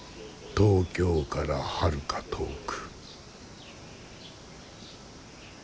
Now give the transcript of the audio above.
東京からはるか遠く。